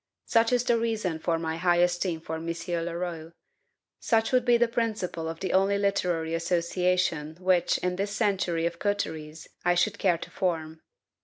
Such is the reason for my high esteem of M. Leroux; such would be the principle of the only literary association which, in this century of coteries, I should care to form.